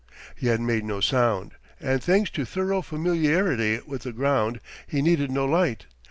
He had made no sound; and thanks to thorough familiarity with the ground, he needed no light.